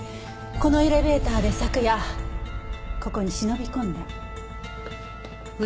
このエレベーターで昨夜ここに忍び込んだ。